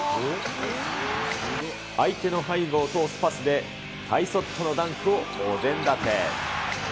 相手の背後を通すパスで、のダンクをお膳立て。